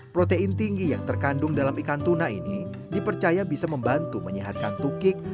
protein tinggi yang terkandung dalam ikan tuna ini dipercaya bisa membantu menyehatkan tukik